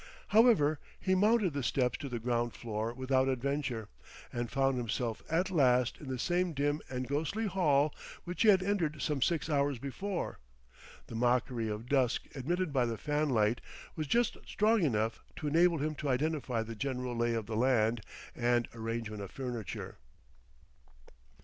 However, he mounted the steps to the ground floor without adventure and found himself at last in the same dim and ghostly hall which he had entered some six hours before; the mockery of dusk admitted by the fan light was just strong enough to enable him to identify the general lay of the land and arrangement of furniture.